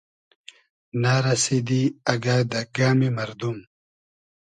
نۂ رئسیدی اگۂ دۂ گئمی مئردوم